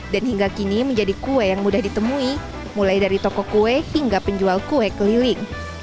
dan hingga kini menjadi kue yang mudah ditemui mulai dari toko kue hingga penjual kue keliling